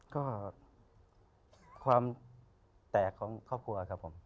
ก็ความแตกของครอบครัวครับผม